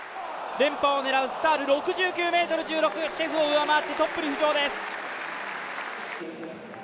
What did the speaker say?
連覇を狙うスタール、６９ｍ１６チェフを上回ってトップに浮上です。